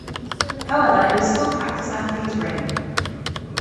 However, it was still practiced after his reign.